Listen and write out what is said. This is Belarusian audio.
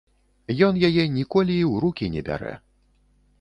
Ён яе ніколі і ў рукі не бярэ.